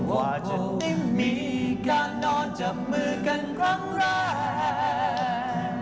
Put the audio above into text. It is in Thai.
ว่าจะได้มีการนอนจับมือกันครั้งแรก